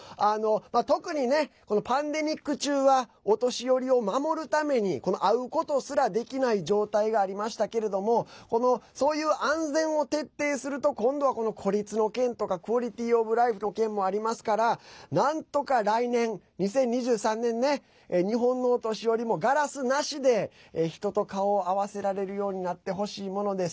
特にね、パンデミック中はお年寄りを守るために会うことすら、できない状態がありましたけれどもそういう安全を徹底すると今度は孤立の件とかクオリティーオブライフの件もありますからなんとか来年２０２３年ね日本のお年寄りも、ガラスなしで人と顔を合わせられるようになってほしいものです。